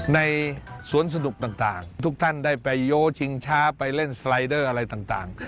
ในสวนสนุกต่างทุกท่านได้ไปโยชิงช้าไปเล่นสไลเดอร์อะไรต่าง